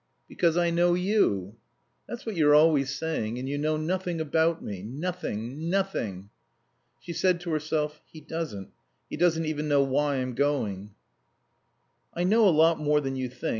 "Because I know you." "That's what you're always saying. And you know nothing about me. Nothing. Nothing." She said to herself: "He doesn't. He doesn't even know why I'm going." "I know a lot more than you think.